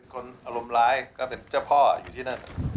อารมณ์ร้ายก็เป็นเจ้าพ่ออยู่ที่นั่น